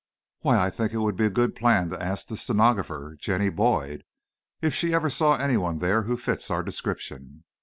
"Why, I think it will be a good plan to ask the stenographer, Jenny Boyd, if she ever saw anyone there who fits our description."